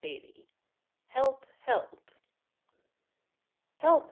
XVII HELP! HELP! "Help!